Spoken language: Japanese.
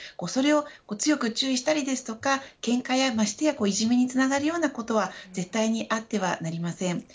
それを強く注意したりですとかけんかや、ましてやいじめにつながるようなことは絶対にあってはなりません。